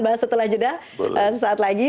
bahas setelah jeda sesaat lagi